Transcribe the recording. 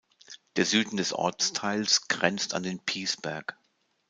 Der Süden des Ortsteils grenzt an den Piesberg.